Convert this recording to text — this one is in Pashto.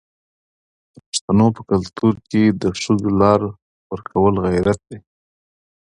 د پښتنو په کلتور کې د ښځو لار ورکول غیرت دی.